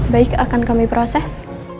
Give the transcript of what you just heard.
baik akan kami proses